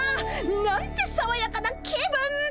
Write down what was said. なんてさわやかな気分。